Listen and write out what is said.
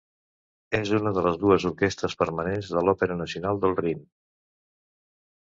És una de les dues orquestres permanents de l'Òpera nacional del Rin.